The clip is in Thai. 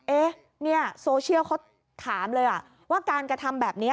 เอ๊ะเนี่ยโซเชียลเขาถามเลยว่าการกระทำแบบนี้